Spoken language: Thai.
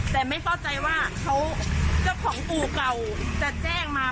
แต่ไม่เข้าใจว่าเจ้าของอู่เก่าจะแจ้งมา